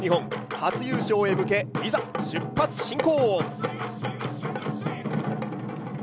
初優勝へ向け、いざ、出発進行！